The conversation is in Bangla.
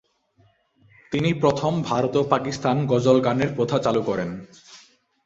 তিনি প্রথম ভারত ও পাকিস্তানে গজল গানের প্রথা চালু করেন।